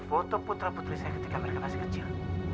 foto putra putri saya ketika mereka masih kecil